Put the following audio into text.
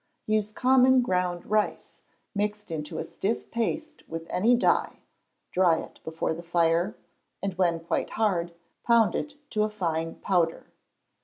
Use common ground rice, mixed into a stiff paste with any dye; dry it before the fire, and when quite hard, pound it to a fine powder.